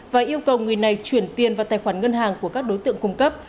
và yêu cầu người này chuyển tiền vào tài khoản ngân hàng của các đối tượng cung cấp